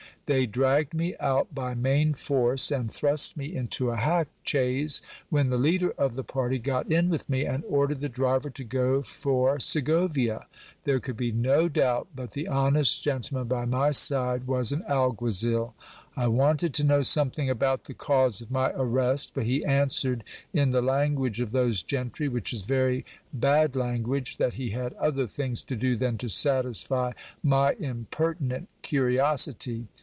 They dragged me out by main force, and thrust me into a hack chaise, when the leader of the party got in with me, and ordered 314 GIL BLAS. the driver to go for Segovia. There could be no doubt but the honest gentle man by my side was an alguazil. I wanted to know something about the cause of my arrest, but he answered in the language of those gentry, which is very bad language, that he had other things to do than to satisfy my impertinent curios ity.